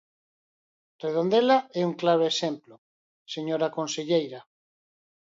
Redondela é un claro exemplo, señora conselleira.